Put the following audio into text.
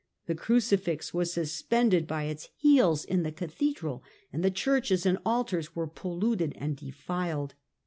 The crucifix was sus pended by its heels in the Cathedra], and the churches and altars were polluted and defiled.